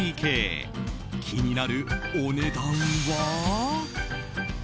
気になるお値段は。